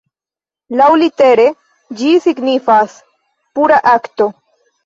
Laŭlitere ĝi signifas "pura akto.